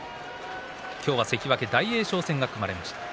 今日は関脇大栄翔戦が組まれました。